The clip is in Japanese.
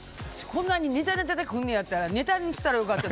こんなにネタネタでくるんやったらネタで答えたらよかった。